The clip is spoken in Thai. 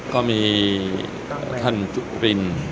ก็มีท่านจุริน